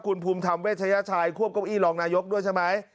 คุณภูมิธรรมเวชยชัยควบเก้าอี้รองนายกด้วยใช่ไหม